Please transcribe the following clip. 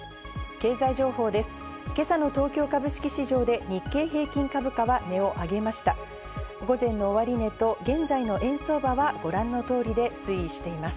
経済情報です。